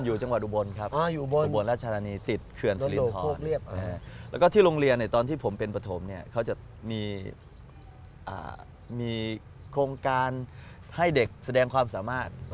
อยู่จังหวัดอุบลครับอุบลราชธานีติดเขื่อนสิรินทรแล้วก็ที่โรงเรียนตอนที่ผมเป็นปฐมเนี่ยเขาจะมีโครงการให้เด็กแสดงความสามารถ